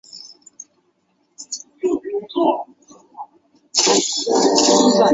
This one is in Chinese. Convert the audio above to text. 导演林孝谦说想和周迅合作拍电影。